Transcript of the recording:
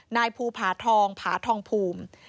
นายภูผาทองผาทองภูมิ